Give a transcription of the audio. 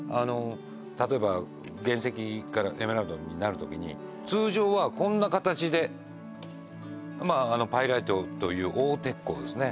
例えば原石からエメラルドになる時に通常はこんな形でまあパイライトという黄鉄鉱ですね